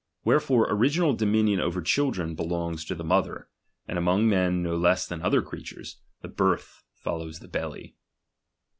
Wherefore origi nal dominion over children belongs to the mother : and among men no less than other creatures, the birth follows the belly.